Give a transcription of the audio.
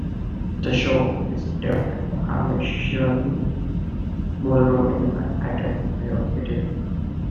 The show is taped at the Hammerstein Ballroom in Manhattan, New York City.